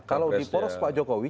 kalau di poros pak jokowi